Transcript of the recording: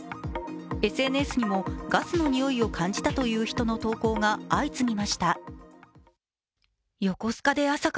ＳＮＳにもガスの臭いを感じたという人の投稿が相次ぎました。